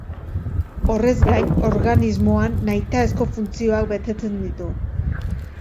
Horrez gain, organismoan nahitaezko funtzioak betetzen ditu.